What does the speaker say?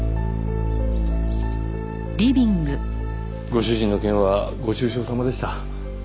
ご主人の件はご愁傷さまでした。